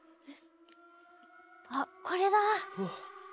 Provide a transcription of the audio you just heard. あっこれだ。